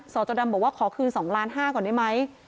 สจดำบอกว่าขอคืน๒ล้านห้าก่อนได้ไหม